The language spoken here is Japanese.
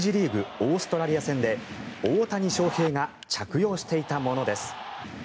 オーストラリア戦で大谷翔平が着用していたものです。